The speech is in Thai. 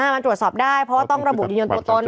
มันตรวจสอบได้เพราะว่าต้องระบุยืนยันตัวตน